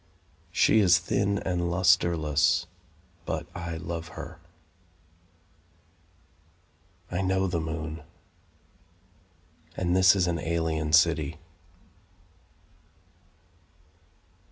She is thin and lustreless, But I love her. I know the moon, And this is an alien city.